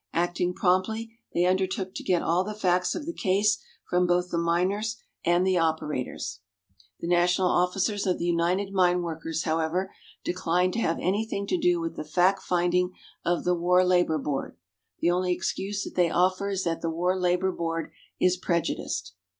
Acting promptly, they undertook to get all the facts of this case from both the miners and the operators. The national officers of the United Mine Workers, however, declined to have anything to do with the fact finding of the War Labor Board. The only excuse that they offer is that the War Labor Board is prejudiced.